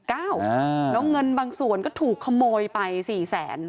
แล้วเงินบางส่วนก็ถูกขโมยไป๔แสน